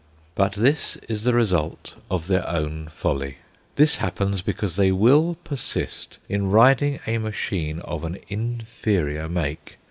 But this is the result of their own folly. This happens because they will persist in riding a machine of an inferior make.